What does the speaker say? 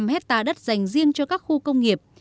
ba trăm ba mươi năm hectare đất dành riêng cho các khu công nghiệp